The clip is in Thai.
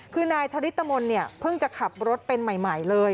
คือนายทริศตมลเพิ่งจะขับรถเป็นใหม่เลย